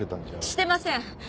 してません！